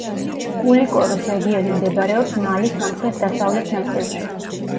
კულიკოროს რეგიონი მდებარეობს მალის სამხრეთ-დასავლეთ ნაწილში.